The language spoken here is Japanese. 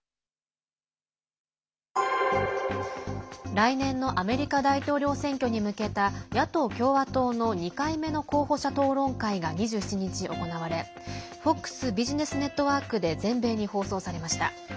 来年のアメリカ大統領選挙に向けた野党・共和党の２回目の候補者討論会が２７日行われＦＯＸビジネスネットワークで全米に放送されました。